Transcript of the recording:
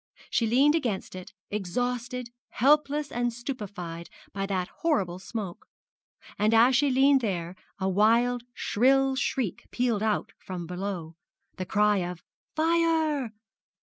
She leaned against it exhausted, helpless stupified by that horrible smoke; and as she leaned there a wild shrill shriek pealed out from below the cry of 'Fire!'